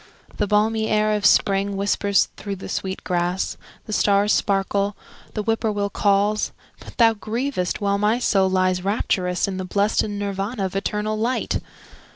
The balmy air of spring whispers through the sweet grass, The stars sparkle, the whippoorwill calls, But thou grievest, while my soul lies rapturous In the blest Nirvana of eternal light!